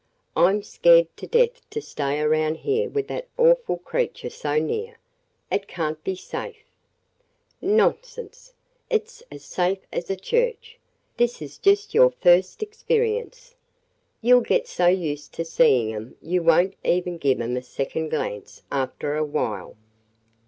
"I 'm scared to death to stay around here with that awful creature so near. It can't be safe!" "Nonsense! It 's as safe as a church! This is just your first experience. You 'll get so used to seeing 'em you won't even give 'em a second glance after a while.